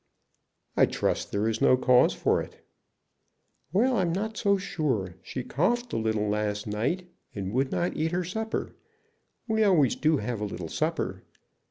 "I trust there is no cause for it." "Well, I'm not so sure. She coughed a little last night, and would not eat her supper. We always do have a little supper.